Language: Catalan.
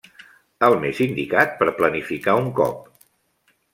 El més indicat per planificar un cop.